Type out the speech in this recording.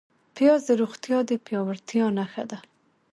پیاز د روغتیا د پیاوړتیا نښه ده